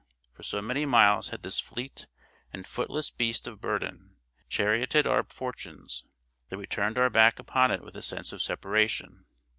For so many miles had this fleet and footless beast of burthen charioted our fortunes, that we turned our back upon it with a sense of separation.